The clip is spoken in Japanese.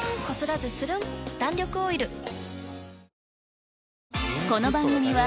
こすらずスルン弾力オイル